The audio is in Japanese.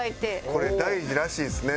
これ大事らしいですね